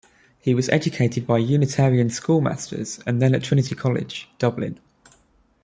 He was educated by Unitarian schoolmasters and then at Trinity College, Dublin.